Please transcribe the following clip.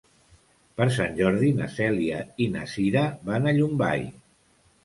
Per Sant Jordi na Cèlia i na Cira van a Llombai.